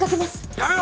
やめろ！